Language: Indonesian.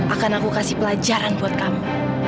akan aku kasih pelajaran buat kamu